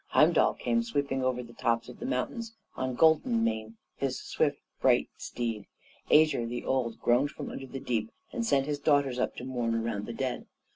Heimdall came sweeping over the tops of the mountains on Golden Mane, his swift, bright steed. Ægir the Old groaned from under the deep, and sent his daughters up to mourn around the dead.